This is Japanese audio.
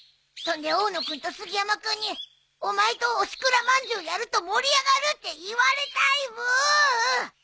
そんで大野君と杉山君に「お前とおしくらまんじゅうやると盛り上がる」って言われたいブー！